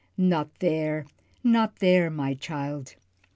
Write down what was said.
Not there, not there, my child!